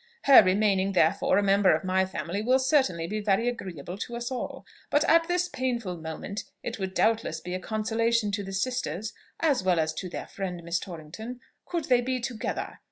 Her remaining therefore a member of my family will certainly be very agreeable to us all; but at this painful moment, it would doubtless be a consolation to the sisters, as well as to their friend, Miss Torrington, could they be together.